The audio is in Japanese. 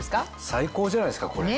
最高じゃないですかこれ。